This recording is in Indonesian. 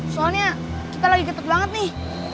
soalnya kita lagi ketuk banget nih